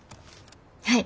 はい。